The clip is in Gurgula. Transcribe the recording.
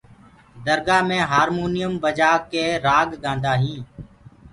درگآه مي هآمونيم بجآ ڪآ رآڳ گآندآ هينٚ۔